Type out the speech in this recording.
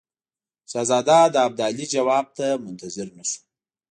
شهزاده د ابدالي جواب ته منتظر نه شو.